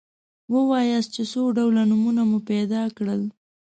ووایاست چې څو ډوله نومونه مو پیدا کړل.